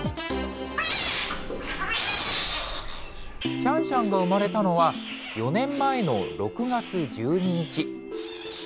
シャンシャンが産まれたのは、４年前の６月１２日。